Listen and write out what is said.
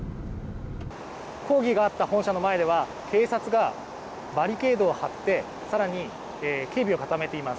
抗議があった本社の前では、警察がバリケードを張ってさらに警備かためています。